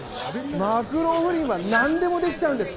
マクローフリンは何でもできちゃうんです。